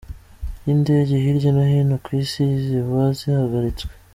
y’indege hirya no hino ku isi ziba zihagaritswe.